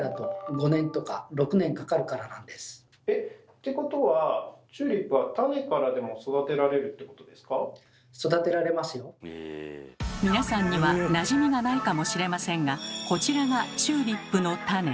てことは皆さんにはなじみがないかもしれませんがこちらがチューリップの種。